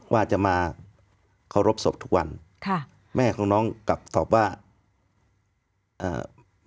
ว่าจะมาเคารพศพทุกวันค่ะแม่ของน้องกลับตอบว่าเอ่อ